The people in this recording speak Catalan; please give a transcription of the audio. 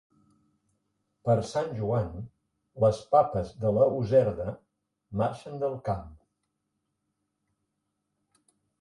Per Sant Joan les papes de la userda marxen del camp.